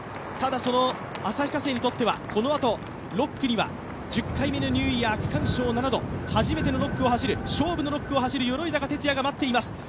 ただ、旭化成にとってはこのあと、６区には１０回目のニューイヤー、初めての６区を走る、勝負の６区を走る鎧坂哲哉が待っています。